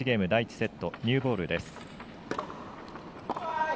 セットニューボールです。